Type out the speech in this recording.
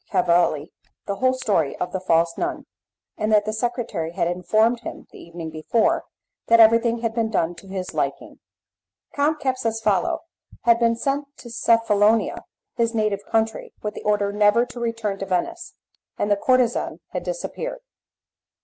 Cavalli the whole story of the false nun, and that the secretary had informed him, the evening before, that everything had been done to his liking. Count Capsucefalo had been sent to Cephalonia, his native country, with the order never to return to Venice, and the courtezan had disappeared.